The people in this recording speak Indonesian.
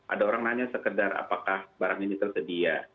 ada orang nanya sekedar apakah barang ini tersedia